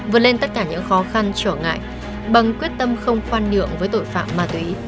vượt lên tất cả những khó khăn trở ngại bằng quyết tâm không khoan nhượng với tội phạm ma túy